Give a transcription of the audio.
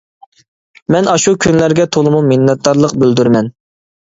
مەن ئاشۇ كۈنلەرگە تولىمۇ مىننەتدارلىق بىلدۈرىمەن.